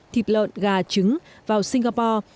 thịt lợn gà trứng vào singapore